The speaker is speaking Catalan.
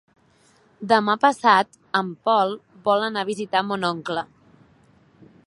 Demà passat en Pol vol anar a visitar mon oncle.